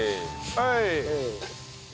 はい！